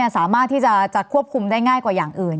สามารถที่จะควบคุมได้ง่ายกว่าอย่างอื่น